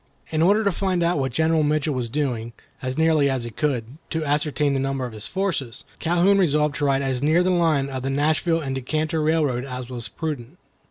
In order to find out what General Mitchell was doing, and as nearly as he could, to ascertain the number of his forces, Calhoun resolved to ride as near the line of the Nashville and Decatur railroad as was prudent.